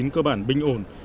cơ bản bình ổn